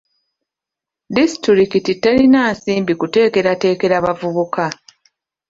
Disitulikiti terina nsimbi kuteekateekera bavubuka.